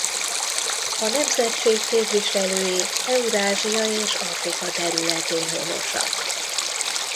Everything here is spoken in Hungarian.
A nemzetség képviselői Eurázsia és Afrika területén honosak.